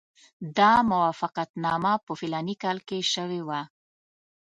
دا موافقتنامه په فلاني کال کې شوې وه.